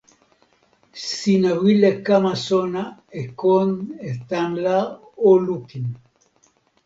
sina wile kama sona e kon e tan la o lukin.